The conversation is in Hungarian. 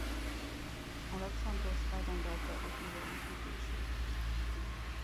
Alexandrosz elrendelte az újjáépítését.